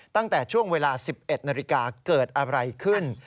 ตั้งแต่ช่วงเวลา๑๑นาฬิกาเกิดอะไรขึ้น